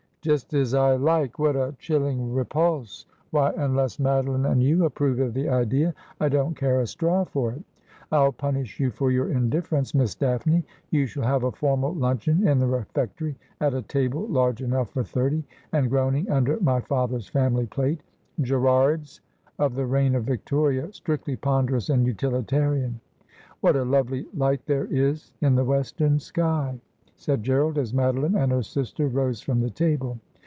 ' Just as I like ! What a chilling repulse ! Why, unless 106 Asphodel. Madeline and you approve of the idea, I don't care a straw for it. I'll punish you for your indifference, Miss Daphne. You shall have a formal luncheon in the refectory, at a table large enough for thirty, and groaning under my father's family plate — Garrard's, of the reign of Victoria, strictly ponderous and utilitarian. What a lovely light there is in the western sky !' said Gerald, as Madoline and her sister rose from the table.